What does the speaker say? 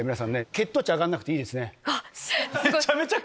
血糖値上がらなくていいですね。